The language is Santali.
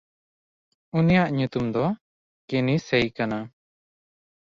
ᱩᱱᱤᱭᱟᱜ ᱧᱩᱛᱩᱢ ᱫᱚ ᱠᱤᱱᱤᱥᱮᱭ ᱠᱟᱱᱟ᱾